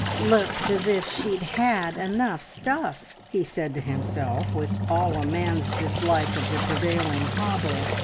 "Looks as if she'd had enough stuff!" he said to himself, with all a man's dislike of the prevailing hobble.